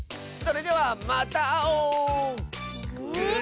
それではまたあおう！